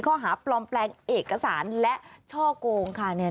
ข้อหาปลอมแปลงเอกสารและช่อกงค่ะ